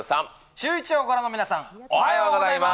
シューイチをご覧の皆さん、おはようございます。